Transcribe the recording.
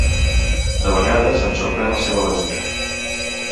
De vegades ens sorprèn la seva lògica.